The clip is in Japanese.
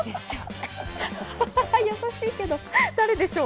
やさしいけど、誰でしょう？